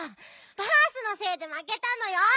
バースのせいでまけたのよ！